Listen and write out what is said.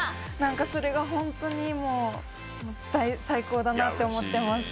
それが本当に最高だなと思ってます。